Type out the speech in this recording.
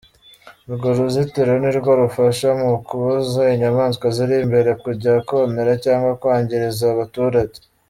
Urwo ruzitiro nirwo rufasha mu kubuza inyamaswa ziri imbere kujya konera cyangwa kwangiriza abaturage.